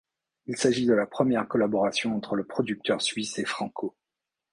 Il s'agit de la première collaboration entre le producteur suisse et Franco.